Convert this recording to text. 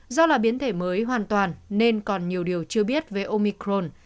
do là biến thể mới hoàn toàn nên còn nhiều điều chưa biết về omicron